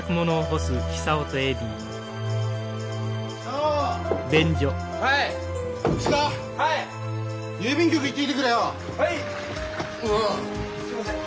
すいません。